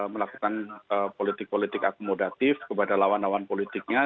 melakukan politik politik akomodatif kepada lawan lawan politiknya